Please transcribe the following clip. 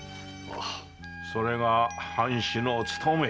それが藩主の勤め。